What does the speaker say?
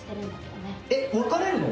えっ別れるの？